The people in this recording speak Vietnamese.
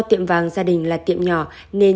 tiệm vàng gia đình là tiệm nhỏ nên